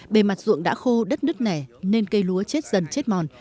bề mặt ruộng đã khô đất nứt nẻ nên cây lúa chết dần chết mòn